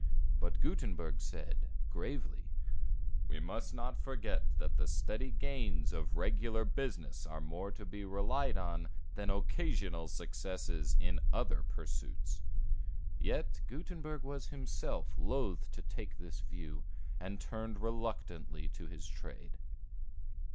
But Gutenberg said, gravely, "We must not forget that the steady gains of a regular business are more to be relied on than occasional successes in other pursuits." Yet Gutenberg was himself loath to take this view, and turned reluctantly to his trade.